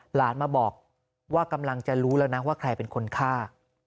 หลานมาบอกว่ากำลังจะรู้แล้วนะว่าใครเป็นคนฆ่า